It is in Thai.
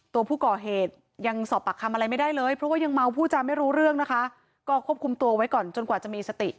ตัวผู้ก่อเหตุยังสอบปากคำอะไรไม่ได้เลยเพราะว่ายังเมาผู้จำไม่รู้เรื่องนะคะก็ควบคุมตัวไว้ก่อนจนกว่าจะมีสติ